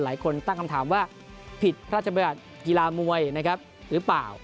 หลายคนตั้งคำถามว่าผิดพระราชบัญญัติกีฬามวยนะครับหรือเปล่า